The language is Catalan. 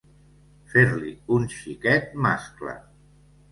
Fer-li un xiquet mascle.